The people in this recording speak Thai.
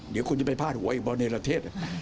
เดี๋ยวคุณจะไปพาดหัวอีกบอลเนรเทศ